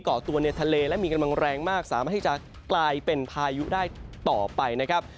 เกาะตัวในทะเลและมีกำลังแรงมากสามารถที่จะกลายเป็นพายุได้ต่อไปนะครับ